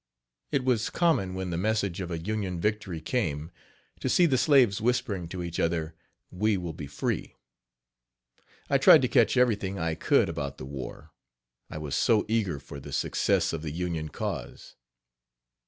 It was common when the message of a Union victory came to see the slaves whispering to each other: "We will be free." I tried to catch everything I could about the war, I was so eager for the success of the Union cause.